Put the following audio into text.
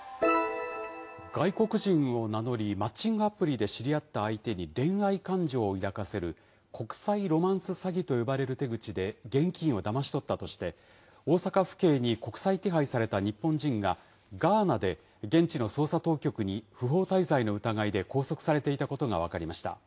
外国人を名乗り、マッチングアプリで知り合った相手に恋愛感情を抱かせる、国際ロマンス詐欺と呼ばれる手口で、現金をだまし取ったとして、大阪府警に国際手配された日本人が、ガーナで現地の捜査当局に不法滞在の疑いで拘束されていたことが分かりました。